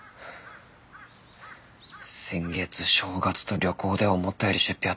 先月正月と旅行で思ったより出費あったからな。